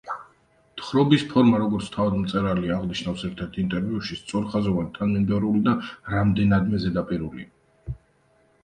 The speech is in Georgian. თხრობის ფორმა, როგორც თავად მწერალი აღნიშნავს ერთ-ერთ ინტერვიუში, „სწორხაზოვანი, თანმიმდევრული და რამდენადმე ზედაპირულია“.